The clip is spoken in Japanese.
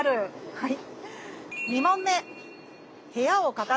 はい。